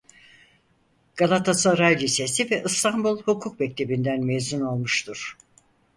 Galatasaray Lisesi ve İstanbul Hukuk Mektebi'nden mezun olmuştur.